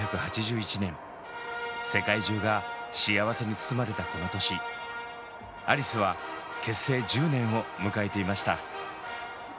世界中が幸せに包まれたこの年アリスは結成１０年を迎えていました。